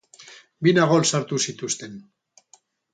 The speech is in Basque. Bina gol sartu zituzten.